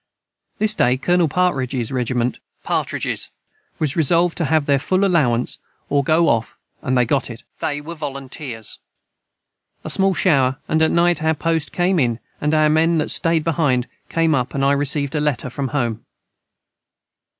This day Colonel Partrages rigiment were resolved to have their full Allowance or go of and they got it a small shower & at night our post came in and our Men that stayed behind came up I received a letter from Home.